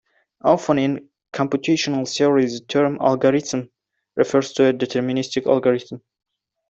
Often in computational theory, the term "algorithm" refers to a deterministic algorithm.